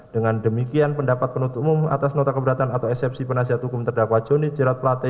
dengan demikian pendapat penutup umum atas nota keberatan atau eksepsi penasihat hukum terdakwa joni jerat plate